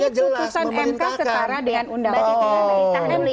tahan dulu ya mohon maaf ya saya teruskan dulu